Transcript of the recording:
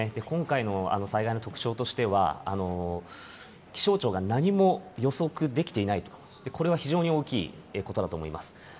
今回の最大の特徴としては、気象庁が何も予測できていないと、これは非常に大きいことだと思います。